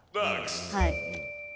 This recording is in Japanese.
はい。